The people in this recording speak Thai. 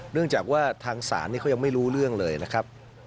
เนื่องจากว่าทางศาลเขายังไม่รู้เรื่องเลยนะครับ